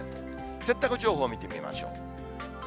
洗濯情報見てみましょう。